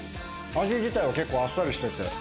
味自体は結構あっさりしてて。